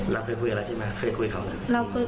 แล้วเคยคุยกับอะไรใช่ไหมเคยคุยกับเขาเหรอ